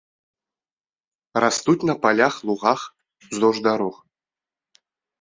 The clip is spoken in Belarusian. Растуць на палях, лугах, уздоўж дарог.